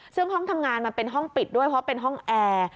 ซึ่งห้องทำงานมันเป็นห้องปิดด้วยเพราะเป็นห้องแอร์